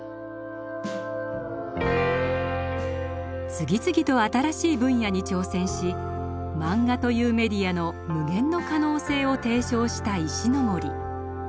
次々と新しい分野に挑戦しマンガというメディアの無限の可能性を提唱した石森。